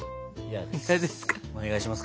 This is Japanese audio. お願いします